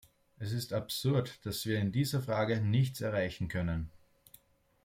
Es ist absurd, dass wir in dieser Frage nichts erreichen können.